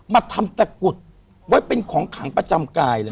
มาทำตะกุดไว้เป็นของขังประจำกายเลย